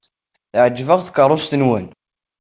Teɛjeb-aɣ tkeṛṛust-nwent.